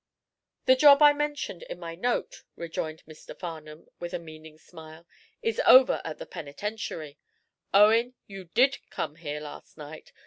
"The job I mentioned in my note," rejoined Mr. Farnum, with a meaning smile, "is over at the penitentiary. Owen, you did come here last night.